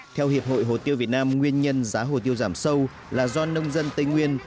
theo hiệp hội hồ tiêu việt nam nguyên nhân giá hồ tiêu giảm sâu là do nông dân tây nguyên